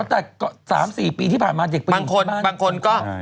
แต่ก็๓๔ปีที่ผ่านมาเด็กปี